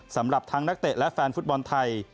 สำหรับทั้งนักเตะและแฟนฟุตบอลไทย